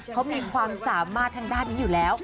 เขามีความสามารถทางด้านนี้อยู่แล้ว